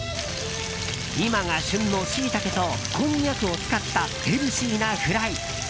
今が旬のシイタケとこんにゃくを使ったヘルシーなフライ。